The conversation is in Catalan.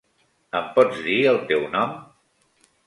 Em pots dir el teu nom?